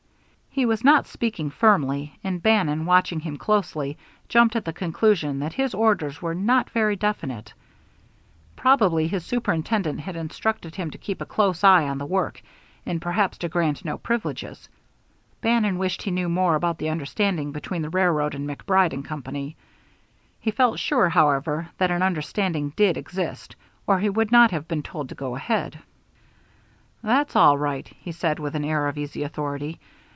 He was not speaking firmly, and Bannon, watching him closely, jumped at the conclusion that his orders were not very definite. Probably his superintendent had instructed him to keep a close eye on the work, and perhaps to grant no privileges. Bannon wished he knew more about the understanding between the railroad and MacBride & Company. He felt sure, however, that an understanding did exist or he would not have been told to go ahead. "That's all right," he said, with an air of easy authority.